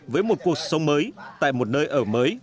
với một cuộc sống mới tại một nơi ở mới